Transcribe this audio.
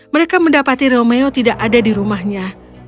mereka mendapati romeo tidak ada di rumahnya